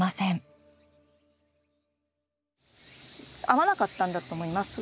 合わなかったんだと思います